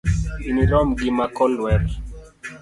Inirom gi makolwer